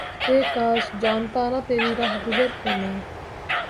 اے کاش! جانتا نہ تیری رہگزر کو میں!